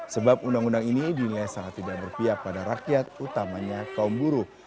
sebab undang undang ini dinilai sangat tidak berpihak pada rakyat utamanya kaum buruh